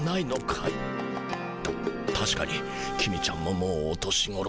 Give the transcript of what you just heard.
たたしかに公ちゃんももうお年ごろ。